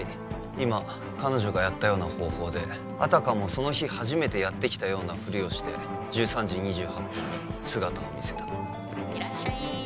今彼女がやったような方法であたかもその日初めてやってきたようなふりをして１３時２８分に姿を見せたいらっしゃい